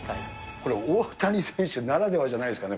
これ、大谷選手ならではじゃないですかね。